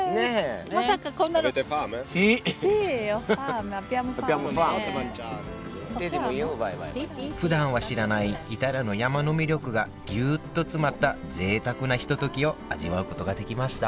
まさかこんなの。ふだんは知らないイタリアの山の魅力がぎゅっと詰まった贅沢なひとときを味わうことができました